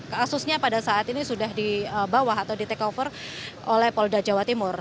kasusnya pada saat ini sudah dibawa atau di take over oleh polda jawa timur